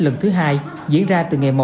lần thứ hai diễn ra từ ngày một